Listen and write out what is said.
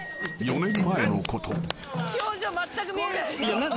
［４年前のこと］